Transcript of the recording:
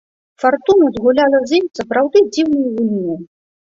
Фартуна згуляла з ім сапраўды дзіўную гульню.